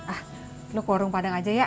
ah lu ke warung padang aja ya